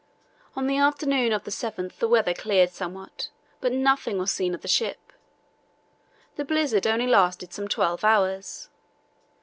On the afternoon of the 7th the weather cleared somewhat, but nothing was seen of the ship. The blizzard only lasted some twelve hours.